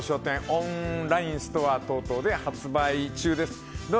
オンラインストア等々で発売中です。